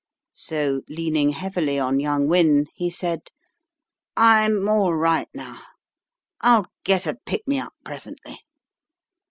So leaning heavily on young Wynne, he said "I'm all right now. I'll get a pick me up presently."